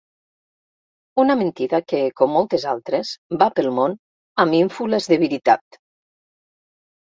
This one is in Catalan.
Una mentida que, com moltes altres, va pel món amb ínfules de veritat.